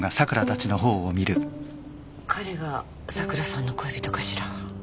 彼が桜さんの恋人かしら？